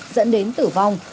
dẫn đến tử vong